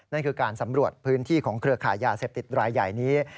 นั่นคือการสำรวจพื้นที่ของเครือขายยาเสพติดรายใหญ่นี้